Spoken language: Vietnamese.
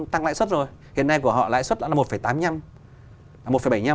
tăng lãi suất rồi hiện nay của họ lãi suất là